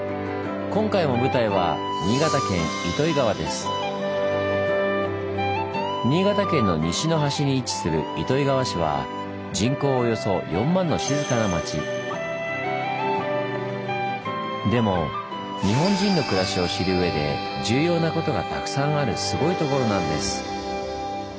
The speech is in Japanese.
今回も舞台は新潟県の西の端に位置する糸魚川市は人口およそ４万のでも日本人の暮らしを知るうえで重要なことがたくさんあるすごいところなんです。